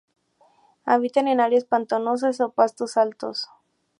Habitan en áreas pantanosas o pastos altos.